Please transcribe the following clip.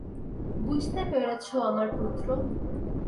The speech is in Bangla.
বুঝতে পেরেছ, আমার পুত্র?